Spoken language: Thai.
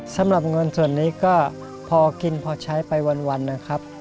สำหรับเงินส่วนนี้ก็พอกินพอใช้ไปวันนะครับ